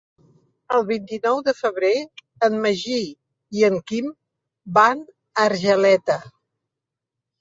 El vint-i-nou de febrer en Magí i en Quim van a Argeleta.